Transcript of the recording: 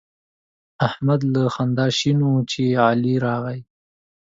احمد له خندا شین وو چې علي راغی.